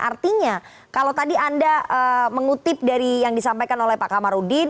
artinya kalau tadi anda mengutip dari yang disampaikan oleh pak kamarudin